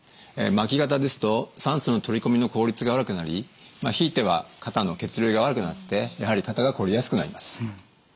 巻き肩ですと酸素の取り込みの効率が悪くなりひいては肩の血流が悪くなってやはり肩がこりやすくなります。